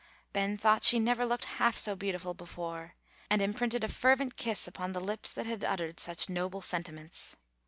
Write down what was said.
Ben thought she never looked half so beautiful before, and imprinted a fervent kiss upon the lips that had uttered such noble sentiments.